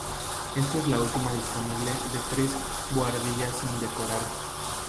Ésta última dispone de tres buhardillas sin decorar.